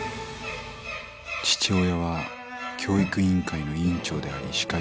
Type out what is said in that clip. ［父親は教育委員会の委員長であり市会議員］